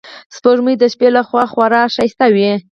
سپوږمۍ د شپې له خوا خورا ښکلی وي